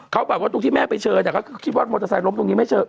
เขาแบบว่าตรงที่แม่ไปเชิญเขาก็คิดว่ามอเตอร์ไซคล้มตรงนี้ไม่เชิง